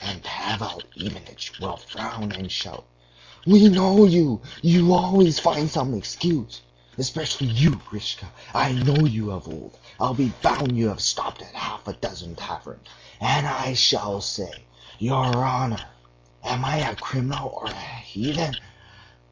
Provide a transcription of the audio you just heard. And Pavel Ivanitch will frown and shout: 'We know you! You always find some excuse! Especially you, Grishka; I know you of old! I'll be bound you have stopped at half a dozen taverns!' And I shall say: 'Your honor! am I a criminal or a heathen?